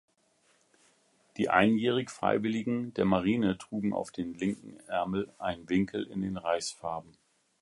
Die Einjährig-Freiwilligen der Marine trugen auf dem linken Ärmel einen Winkel in den Reichsfarben.